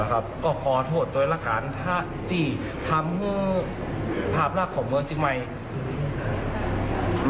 คือคุณสุศุคุณคะนี่เราปล่อยเสียงผิดหรือเปล่า